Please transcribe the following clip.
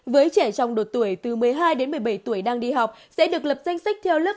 với trẻ trong độ tuổi từ một mươi hai đến một mươi bảy tuổi đang đi học sẽ được lập danh sách theo lớp